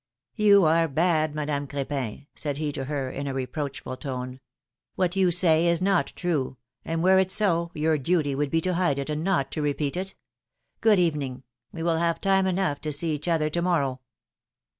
You are bad, Madame Cr^pin," said he to her, in a reproachful tone. ^^What you say is not true, and were it so, your duty would be to hide it, and not to repeat it. Good evening ; we will have time enough to see each other to morrow."